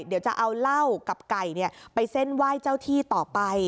เดี๋ยวจะเอาเหล้ากับไก่ไปเส้นไหว้เจ้าที่ต่อไป